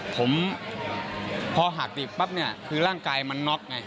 ผมพอหักดิบปั๊บเนี่ยคือร่างกายมันน็อกไง